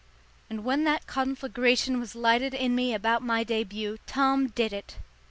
And when that conflagration was lighted in me about my début, Tom did it.